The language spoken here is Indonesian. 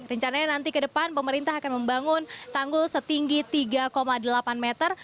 rencananya nanti ke depan pemerintah akan membangun tanggul setinggi tiga delapan meter